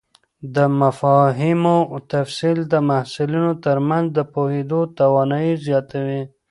د مفاهیمو تفصیل د محصلینو تر منځ د پوهېدو توانایي زیاتوي.